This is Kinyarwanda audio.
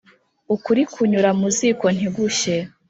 Ukuri kunyura mu ziko ntigushye.